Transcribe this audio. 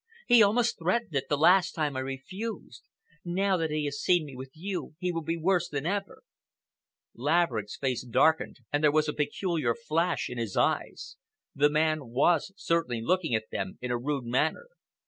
He almost threatened it, the last time I refused. Now that he has seen me with you, he will be worse than ever." Laverick's face darkened, and there was a peculiar flash in his eyes. The man was certainly looking at them in a rude manner.